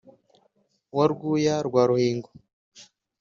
wa rwuya rwa ruhingo,